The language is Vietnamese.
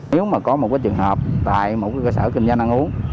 nếu mà có một trường hợp tại một cơ sở kinh doanh ăn uống